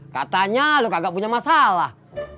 katanya lo kagak punya masalah